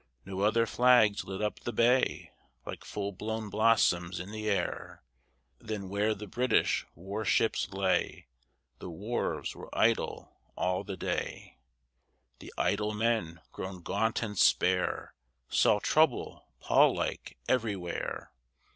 No other flags lit up the bay, Like full blown blossoms in the air, Than where the British war ships lay; The wharves were idle; all the day The idle men, grown gaunt and spare, Saw trouble, pall like, everywhere.